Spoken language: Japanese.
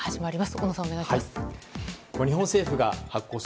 小野さん、お願いします。